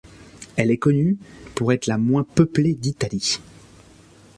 Elle est connue pour être la moins peuplée d'Italie.